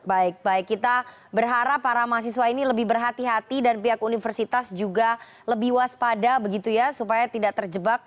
baik baik kita berharap para mahasiswa ini lebih berhati hati dan pihak universitas juga lebih waspada begitu ya supaya tidak terjebak